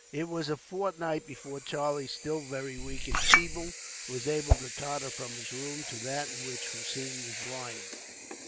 It was a fortnight before Charlie, still very weak and feeble, was able to totter from his room to that in which Hossein was lying.